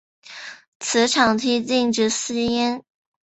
此场地禁止吸烟。